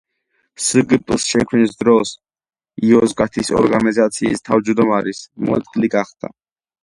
სგპ-ს შექმნის დროს იოზგათის ორგანიზაციის თავჯდომარის მოადგილე გახდა.